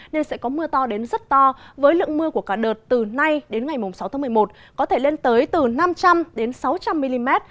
nên sẽ có mưa to đến rất to với lượng mưa của cả đợt từ nay đến ngày sáu tháng một mươi một có thể lên tới từ năm trăm linh đến sáu trăm linh mm